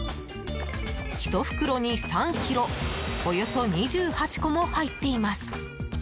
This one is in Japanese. １袋に３ｋｇおよそ２８個も入っています。